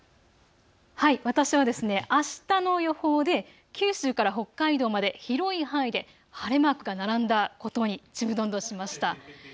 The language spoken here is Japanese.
私はあしたの予報で九州から北海道まで広い範囲で晴れマークが並んだことにちむどんどんしました。